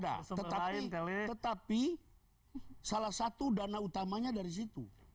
ada ada tetapi salah satu dana utamanya dari situ